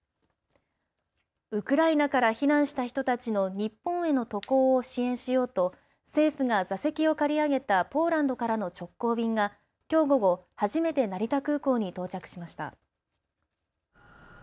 ウクライナから避難した人たちの日本への渡航を支援しようと政府が座席を借り上げたポーランドからの直行便がきょう午後、初めて成田空港に到着しました。